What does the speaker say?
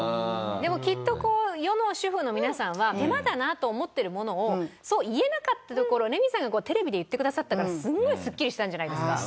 でもきっと世の主婦の皆さんは手間だなと思ってるものをそう言えなかったところをレミさんがテレビで言ってくださったからすごいスッキリしたんじゃないですか？